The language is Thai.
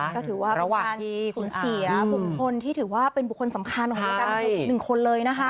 ก็ถือว่าเป็นการสูญเสีย๖คนที่ถือว่าเป็นบุคคลสำคัญของ๑คนเลยนะคะ